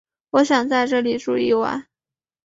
我想在这里住一晚